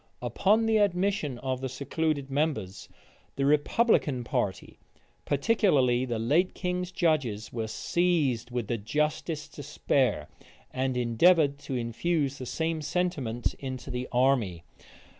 Upon the admission of the secluded members, the republican party, particularly the late king's judges, were seized with the justest despair, and endeavored to infuse the same sentiment into the army.